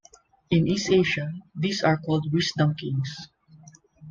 In East Asia, these are called Wisdom Kings.